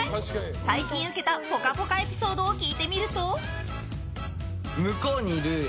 最近ウケたぽかぽかエピソードを聞いてみると。